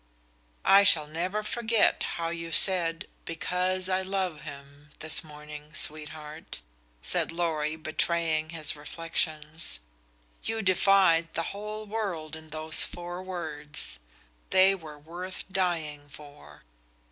"I shall never forget how you said 'because I love him,' this morning, sweetheart," said Lorry, betraying his reflections. "You defied the whole world in those four words. They were worth dying for."